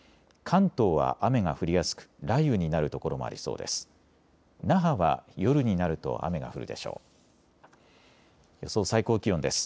関東は雨が降りやすく、雷雨になる所もありそうです。